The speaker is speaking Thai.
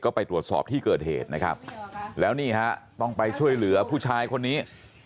ก็ไปตรวจสอบที่เกิดเหตุนะครับแล้วนี่ฮะต้องไปช่วยเหลือผู้ชายคนนี้